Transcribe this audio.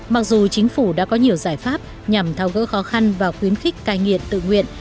mặc dù chính phủ đã có nhiều giải pháp nhằm thao gỡ khó khăn và khuyến khích cai nghiện tự nguyện